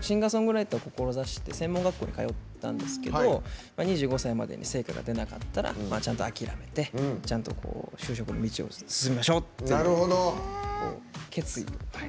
シンガーソングライターを志して専門学校に通ってたんですけど２５歳までに成果が出なかったらちゃんと諦めてちゃんと就職の道を進みましょうって決意を。